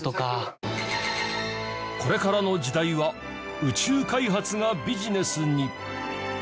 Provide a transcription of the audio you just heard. これからの時代は宇宙開発がビジネスに。